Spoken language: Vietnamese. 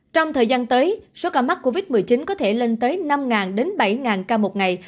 trong thời gian tới số ca mắc covid một mươi chín có thể lên tới năm bảy ca một ngày